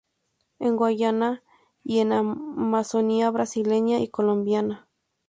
En Guayana y en la Amazonia brasileña y colombiana.